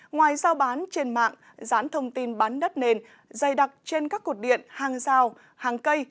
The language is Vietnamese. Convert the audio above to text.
ngoài giao bán trên mạng rán thông tin bán đất nền dày đặc trên các cột điện hàng rào hàng cây